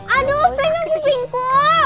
aduh pengen kupingku